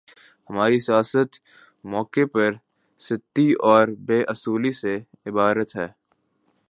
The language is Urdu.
ہماری سیاست موقع پرستی اور بے اصولی سے عبارت ہے۔